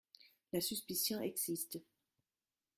La suspicion existe.